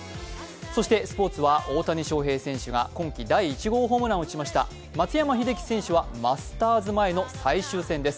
そしてスポーツは大谷翔平選手が今季第１号ホームランを打ちました松山英樹選手はマスターズ前の最終戦です。